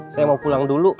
saya mau pulang dulu